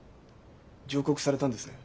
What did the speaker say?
上告されたんですね。